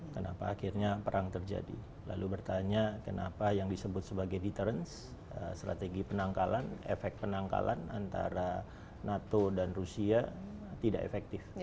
kenapa akhirnya perang terjadi lalu bertanya kenapa yang disebut sebagai deterence strategi penangkalan efek penangkalan antara nato dan rusia tidak efektif